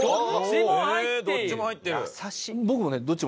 えどっちも入ってる！